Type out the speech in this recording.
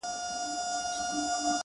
هره پوښتنه د کشف نوی سفر دی.